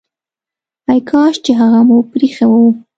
ای کاش چي هغه مو پريښی وو!